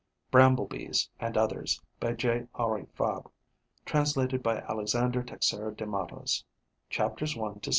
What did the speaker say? "Bramble bees and Others", by J. Henri Fabre, translated by Alexander Teixeira de Mattos: chapters 1 to 7.